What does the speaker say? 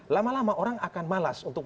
lama lama orang akan malas untuk